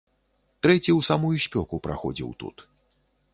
Трэці ў самую спёку праходзіў тут.